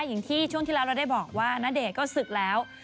อย่างที่ช่วงที่แล้วเราได้บอกว่าณเดชน์ก็ศึกแล้ว